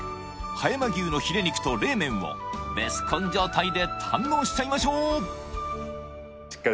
葉山牛のヒレ肉と冷麺をベスコン状態で堪能しちゃいましょう！